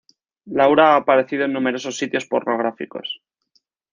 Laura ha aparecido en numerosos sitios pornográficos.